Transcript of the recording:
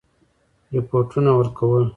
رپوټونه ورکول.